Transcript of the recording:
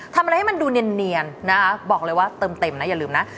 ทำอะไรให้มันดูเนียนนะคะบอกเลยว่าเติมเต็มนะอย่าลืมนะ